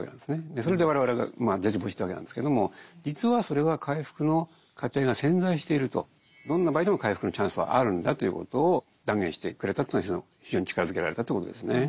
それで我々が絶望してたわけなんですけども実はそれは回復の過程が潜在しているとどんな場合でも回復のチャンスはあるんだということを断言してくれたというのは非常に力づけられたということですね。